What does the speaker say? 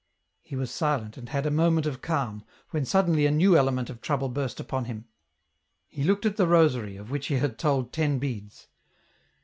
" He was silent and had a moment of calm, when suddenly a new element of trouble burst upon him. He looked at the rosary, of which he had told ten beads.